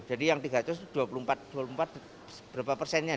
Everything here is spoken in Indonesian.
jadi yang tiga ratus itu dua puluh empat dua puluh empat berapa persennya